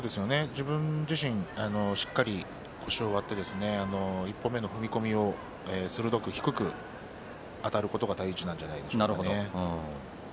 自分自身、しっかり腰を割って１歩目の踏み込み、鋭く低くあたることが大切だと思います。